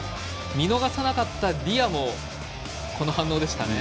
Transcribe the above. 見逃さなかったディアもこの反応でしたね。